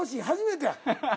初めてや。